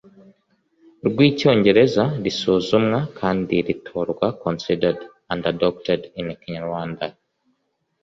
rw icyongereza risuzumwa kandi ritorwa considered and adopted in ikinyarwanda